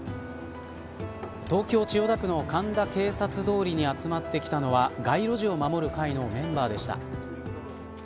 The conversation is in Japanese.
東京、千代田区の神田警察通り集まってきたのは街路樹を守る会のメンバーでした。